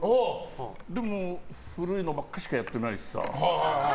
でも、古いのばっかりしかやってないしさ。